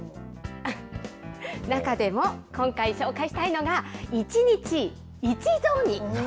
中でも今回紹介したいのが、一日一雑煮。